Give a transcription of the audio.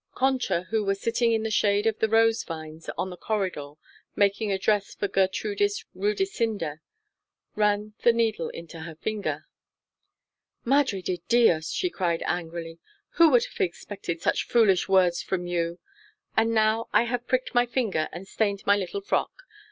Concha, who was sitting in the shade of the rose vines on the corridor making a dress for Gertrudis Rudisinda, ran the needle into her finger. "Madre de Dios!" she cried angrily. "Who would have expected such foolish words from you? and now I have pricked my finger and stained my little frock.